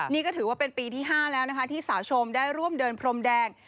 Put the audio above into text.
นี่ก็ถือว่าเป็นปีที่๕แล้วนะคะที่สาวชมได้ร่วมเดินพรมแดง